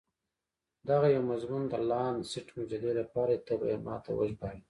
دغه یو مضمون د لانسیټ مجلې لپاره دی، ته به يې ما ته وژباړې.